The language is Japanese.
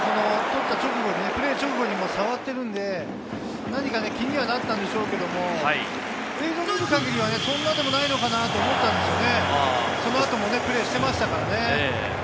捕った直後に、プレー直後に触っているので、何か気にはなったんでしょうけども、映像を見る限りではそんなでもないのかなと思ったんですけど、そのあともプレーしてましたからね。